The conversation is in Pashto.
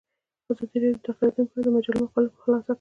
ازادي راډیو د اقلیتونه په اړه د مجلو مقالو خلاصه کړې.